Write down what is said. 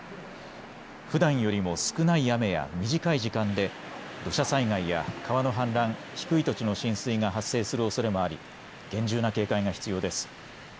ふだんよりも少ない雨や短い時間で土砂災害や川の氾濫、低い土地の浸水が発生するおそれもあり厳重な警戒が必要です。